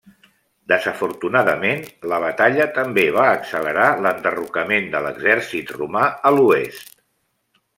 Desafortunadament, la batalla també va accelerar l'enderrocament de l'exèrcit romà a l'oest.